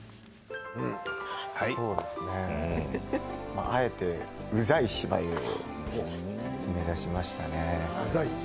そうですねあえて、うざい芝居を目指しましたね。